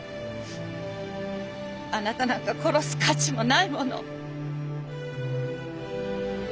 あなたなんか殺す価値もないもの。